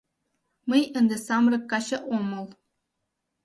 Мый ынде самырык каче омыл.